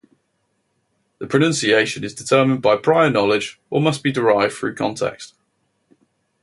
The pronunciation is determined by prior knowledge or must be derived through context.